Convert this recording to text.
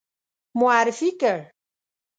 معرفي کړ.